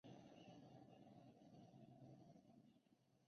他驻扎地方约是社寮岛城。